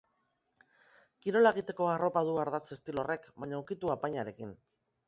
Kirola egiteko arropa du ardatz estilo horrek, baina ukitu apainarekin.